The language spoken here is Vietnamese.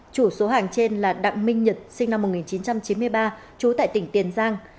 chủ số hàng trên là đặng minh nhật sinh năm một nghìn chín trăm chín mươi ba trú tại tỉnh tiền giang